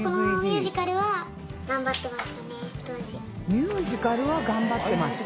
ミュージカルは頑張ってました？